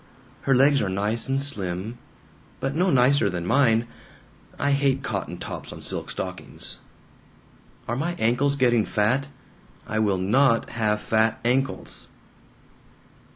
Her legs are nice and slim. But no nicer than mine. I hate cotton tops on silk stockings. ... Are my ankles getting fat? I will NOT have fat ankles!